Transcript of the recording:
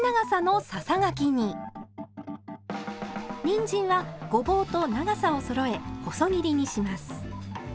にんじんはごぼうと長さをそろえ細切りにします。